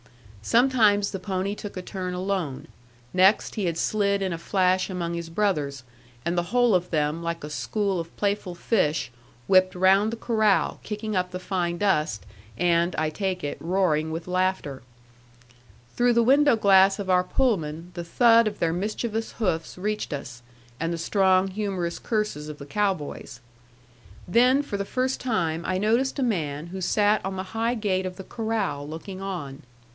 Sometimes the pony took a turn alone; next he had slid in a flash among his brothers, and the whole of them like a school of playful fish whipped round the corral, kicking up the fine dust, and (I take it) roaring with laughter. Through the window glass of our Pullman the thud of their mischievous hoofs reached us, and the strong, humorous curses of the cow boys. Then for the first time I noticed a man who sat on the high gate of the corral, looking on.